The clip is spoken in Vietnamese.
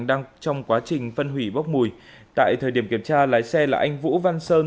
đang trong quá trình phân hủy bốc mùi tại thời điểm kiểm tra lái xe là anh vũ văn sơn